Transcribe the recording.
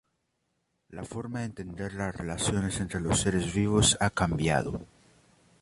La forma de entender las relaciones entre los seres vivos ha cambiado.